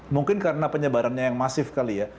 mungkin karena penyebarannya yang masif kali ya